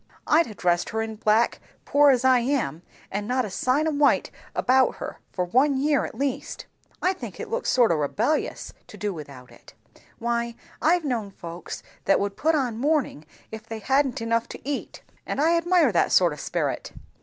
I'd ha' dressed her in black, poor as I am, and not a sign o white about her, for one year at least. I think it looks sort o' rebellious, to do without it. Why I've known folks that would put on mourning if they hadn't enough to eat; and I admire that sort o' sperit."